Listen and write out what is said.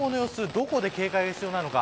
どんな所で警戒が必要なのか